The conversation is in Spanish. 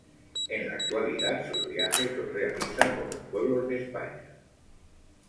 En la actualidad, sus viajes los realiza por los pueblos de España.